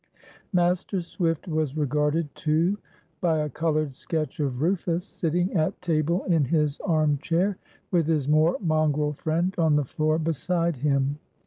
Master Swift was regarded, too, by a colored sketch of Rufus sitting at table in his arm chair, with his more mongrel friend on the floor beside him.